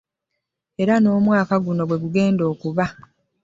Era n'omwaka guno bwe bigenda okuba?